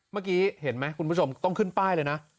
เมื่อกี้เห็นไหมคุณผู้ชมต้องขึ้นป้ายเลยนะ